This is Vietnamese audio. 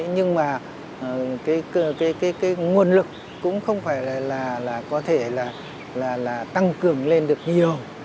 nhưng mà cái nguồn lực cũng không phải là có thể là tăng cường lên được nhiều